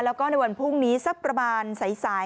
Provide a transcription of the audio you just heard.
แล้วก็ในวันพรุ่งนี้สักประมาณสาย